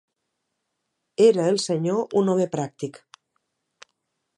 Era el senyor un home pràctic